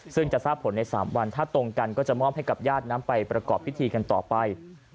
ซึ่งจะทราบผลใน๓วันถ้าตรงกันก็จะมอบให้กับญาตินำไปประกอบพิธีกันต่อไป